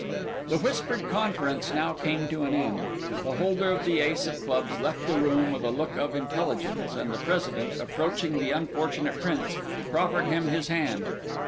The whispered conference now came to an end. The holder of the ace of clubs left the room with a look of intelligence, and the President, approaching the unfortunate Prince, proffered him his hand.